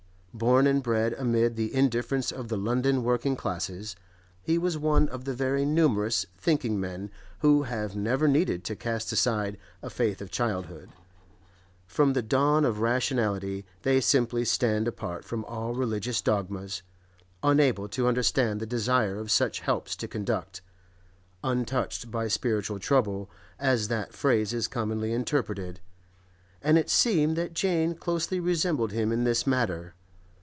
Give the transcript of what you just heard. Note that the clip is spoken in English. Born and bred amid the indifference of the London working classes, he was one of the very numerous thinking men who have never needed to cast aside a faith of childhood; from the dawn of rationality, they simply stand apart from all religious dogmas, unable to understand the desire of such helps to conduct, untouched by spiritual trouble—as that phrase is commonly interpreted. And it seemed that Jane closely resembled him in this matter.